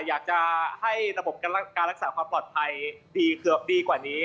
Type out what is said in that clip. อยากจะให้ระบบการรักษาความปลอดภัยดีกว่านี้